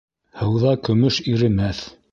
Һыуҙа көмөш иремәҫ.